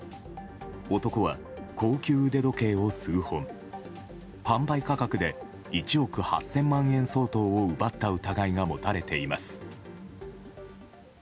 男は高級腕時計を数本販売価格で１億８０００万円相当を奪った疑いが持たれています。